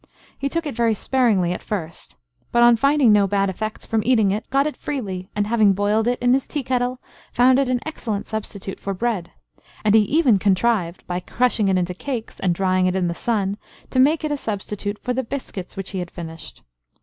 He took it very sparingly at first, but on finding no bad effects from eating it, got it freely; and having boiled it in his tea kettle, found it an excellent substitute for bread; and he even contrived, by crushing it into cakes, and drying it in the sun, to make it a substitute for the biscuits which he had finished.